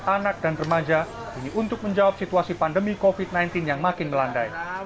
anak dan remaja ini untuk menjawab situasi pandemi covid sembilan belas yang makin melandai